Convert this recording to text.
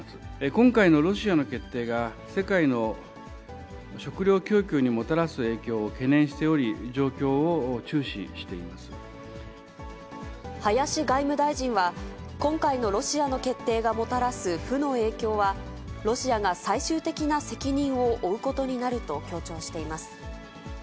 今回のロシアの決定が、世界の食糧供給にもたらす影響を懸念して林外務大臣は、今回のロシアの決定がもたらす負の影響は、ロシアが最終的な責任を負うことになると強調しています。